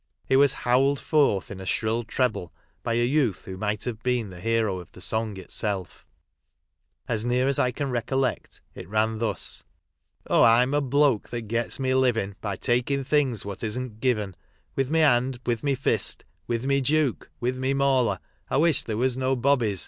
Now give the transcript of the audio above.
It was howled forth, in a shrill treble, by a youth who might have been the hero of the song itself. As near as I can recollect it ran thus :— Oh I'm a bloke what gets my living By taking things what isn't given With my hand, with my fist, With my juke, with my mauler. I wish thero was no bobbies